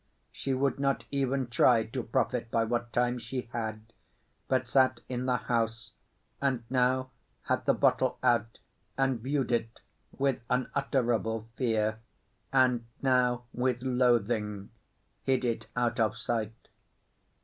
She would not even try to profit by what time she had, but sat in the house, and now had the bottle out and viewed it with unutterable fear, and now, with loathing, hid it out of sight.